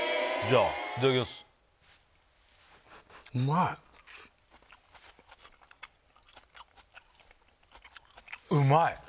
じゃあうまい！